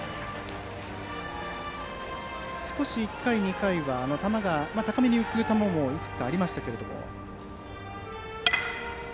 少し１回、２回は高めに浮く球もいくつかありましたが。